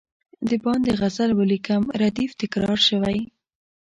د باندي غزل ولیکم ردیف تکرار شوی.